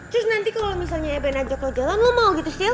terus nanti kalo misalnya eben ajak lo jalan lo mau gitu sil